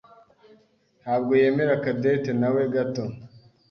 ntabwo yemera Cadette nawe gato.